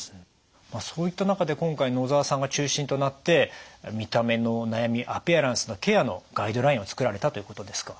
そういった中で今回野澤さんが中心となって見た目の悩みアピアランスのケアのガイドラインを作られたということですか？